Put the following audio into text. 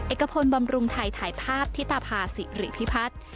เอกพลบำรุงไทยถ่ายภาพธิตภาษิริพิพัฒน์